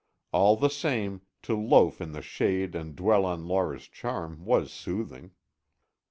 All the same, to loaf in the shade and dwell on Laura's charm was soothing.